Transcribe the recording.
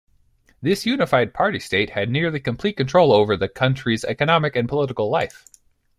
This unified party-state had nearly complete control over the country's economic and political life.